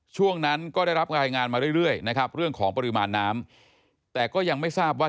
ช่วงนั้นก็ได้รับรายงานมาเรื่อยนะครับเรื่องของปริมาณน้ำแต่ก็ยังไม่ทราบว่า